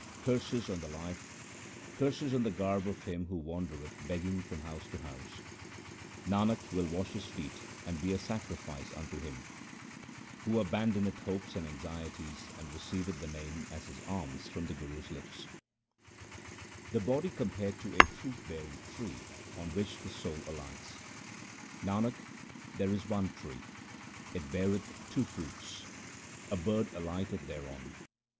Curses on the life, curses on the garb of him who wan dereth begging from house to house ! Nanak will wash his feet and be a sacrifice unto him Who abandoneth hopes and anxieties, and receiveth the Name as his alms from the Guru's lips. HYMNS OF GURU AMAR DAS 213 The body compared to a fruit bearing tree on which the soul alights :— Nanak, there is one tree ; 1 it beareth two fruits ; 2 a bird 3 alighteth thereon.